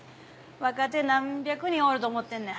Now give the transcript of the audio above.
若手何百人おると思ってんねん。